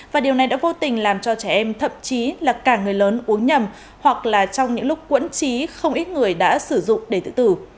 và điều này đã vô tình làm cho trẻ em thậm chí là cả người lớn uống nhầm hoặc là trong những lúc quẩn trí không ít người đã sử dụng để tự tử